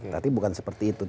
tapi bukan seperti itu